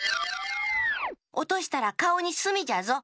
おとしたらかおにすみじゃぞ。